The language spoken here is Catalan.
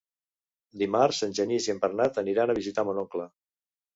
Dimarts en Genís i en Bernat aniran a visitar mon oncle.